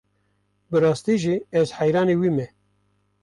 Bi rastî jî ez heyranê wî me.